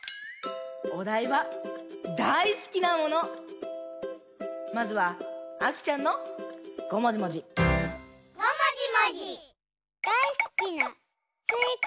おだいは「だいすきなもの」。まずはあきちゃんのごもじもじ。